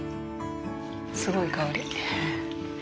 すごい香り。